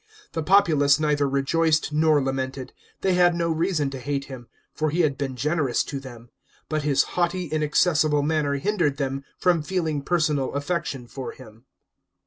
The populace neither rejoiced nor lamented ; they had no reason to hate him, tor he had been generous to them ; but his haughty, inaccessible manner hindered them from feeling personal affec tion for him.